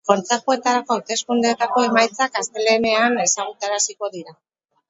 Kontzejuetarako hauteskundeetako emaitzak astelehenean ezagutaraziko dira.